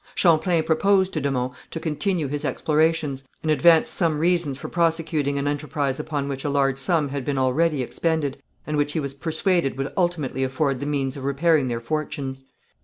Champlain proposed to de Monts to continue his explorations, and advanced some reasons for prosecuting an enterprise upon which a large sum had been already expended, and which he was persuaded would ultimately afford the means of repairing their fortunes.